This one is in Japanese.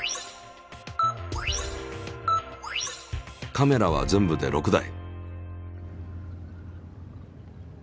カメラは全部で６台。